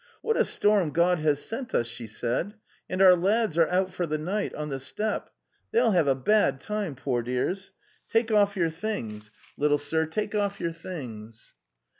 '"What a storm God has sent us!" she said. '"" And our lads are out for the night on the steppe; they'll have a bad time, poor dears! 'Take off your things, little sir, take off your things."